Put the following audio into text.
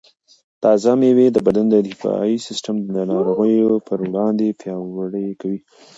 تازه مېوې د بدن دفاعي سیسټم د ناروغیو پر وړاندې پیاوړی کوي.